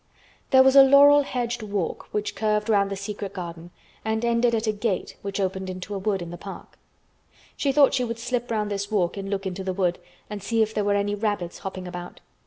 There was a laurel hedged walk which curved round the secret garden and ended at a gate which opened into a wood, in the park. She thought she would slip round this walk and look into the wood and see if there were any rabbits hopping about.